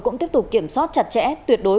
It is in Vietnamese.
cũng tiếp tục kiểm soát chặt chẽ tuyệt đối